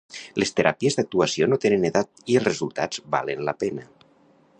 Les teràpies d'actuació no tenen edat i els resultats valen la pena.